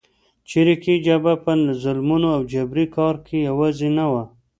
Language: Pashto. چریکي جبهه په ظلمونو او جبري کار کې یوازې نه وه.